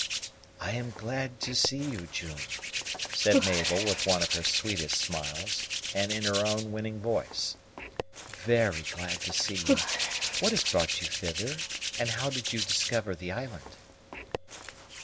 "I am glad to see you, June," said Mabel, with one of her sweetest smiles, and in her own winning voice, "very glad to see you. What has brought you hither, and how did you discover the island?"